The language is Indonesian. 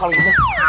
kalau iya yaudah